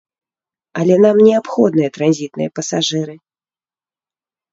Але нам неабходныя транзітныя пасажыры.